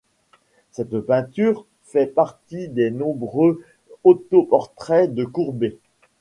Cette peinture fait partie des nombreux autoportraits de Courbet.